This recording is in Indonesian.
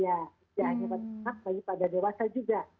ya hanya pada anak baik pada dewasa juga